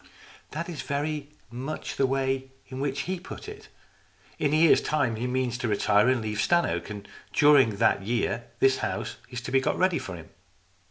" That is very much the way in which he put it. In a year's time he means to retire and to leave Stannoke. And during that year this house is to be got ready for him."